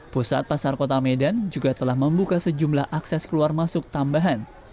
pusat pasar kota medan juga telah membuka sejumlah akses keluar masuk tambahan